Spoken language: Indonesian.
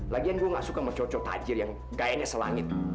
lagian gue nggak suka mencocok pacir yang ga ada selangit